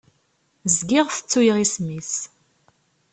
Zgiɣ tettuyeɣ isem-is.